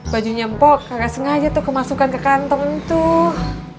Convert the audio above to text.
bajunya poh kagak sengaja tuh kemasukan ke kantong tuh